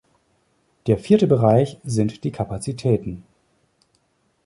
Der vierte Bereich sind die Kapazitäten.